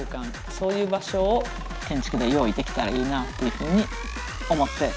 そういう場所を建築で用意できたらいいなっていうふうに思っています。